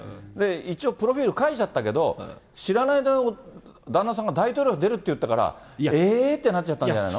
一応、プロフィール書いちゃったけど、知らない間に、旦那さんが大統領に出るって言ったから、えーってなっちゃったんじゃないの？